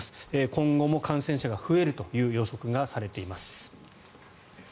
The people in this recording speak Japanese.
今後も感染者が増えるという予測がされています。